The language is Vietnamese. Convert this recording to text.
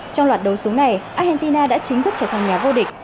trong loạt đấu súng này argentina đã chính thức trở thành nhà vô địch